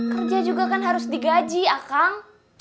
kerja juga kan harus digaji akang